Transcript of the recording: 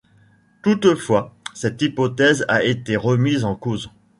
Toutefois, cette hypothèse a été remise en cause.